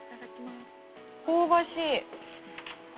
香ばしい。